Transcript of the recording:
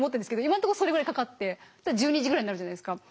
今のとこそれぐらいかかって１２時ぐらいになるじゃないですか。